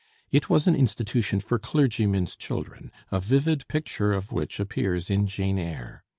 It was an institution for clergymen's children, a vivid picture of which appears in 'Jane Eyre.'